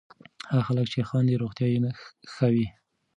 هغه خلک چې خاندي، روغتیا یې ښه وي.